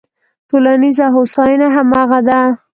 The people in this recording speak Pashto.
ټولنیزه هوساینه همغه ده.